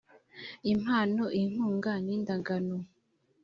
impano inkunga n indagano